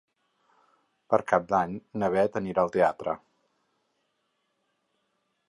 Per Cap d'Any na Beth anirà al teatre.